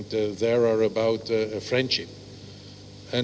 dan berkaitan dengan persahabatan